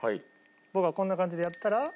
僕がこんな感じでやったら。